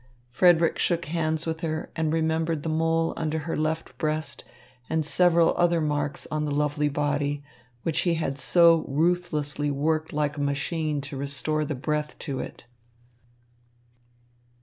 Frederick shook hands with her and remembered the mole under her left breast and several other marks on the lovely body, which he had so ruthlessly worked like a machine to restore the breath to it.